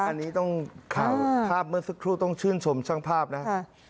อันนี้ต้องข่าวภาพเมื่อสักครู่ต้องชื่นชมช่างภาพนะครับ